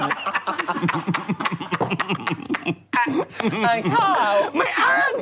แหมพี่